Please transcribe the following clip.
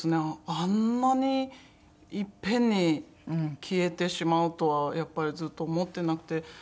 あんなにいっぺんに消えてしまうとはやっぱりずっと思ってなくて。